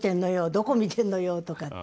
どこ見てんのよ！」とかって。